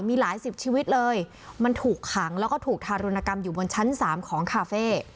มีหลายสิบชีวิตเลยมันถูกขังแล้วก็ถูกทารุณกรรมอยู่บนชั้น๓ของคาเฟ่